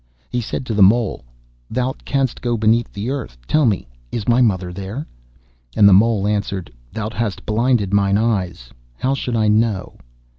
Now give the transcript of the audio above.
He said to the Mole, 'Thou canst go beneath the earth. Tell me, is my mother there?' And the Mole answered, 'Thou hast blinded mine eyes. How should I know?